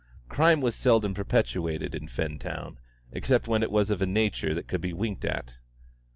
Crime was seldom perpetrated in Fentown, except when it was of a nature that could be winked at.